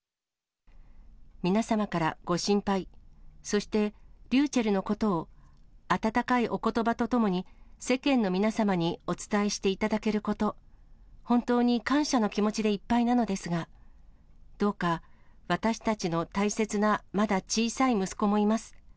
皆様からご心配、そしてりゅうちぇるのことを温かいおことばとともに世間の皆様にお伝えしていただけること、本当に感謝の気持ちでいっぱいなのですが、どうか、私たちの大切な、まだ小さい息子もいます。